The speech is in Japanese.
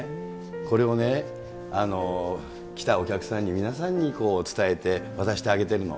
これをね、来たお客さんに、皆さんに伝えて、渡してあげてるの。